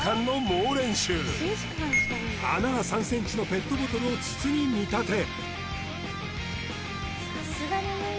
穴が３ｃｍのペットボトルを筒に見立て